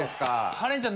カレンちゃん